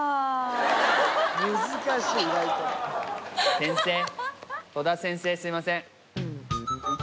先生戸田先生すいません。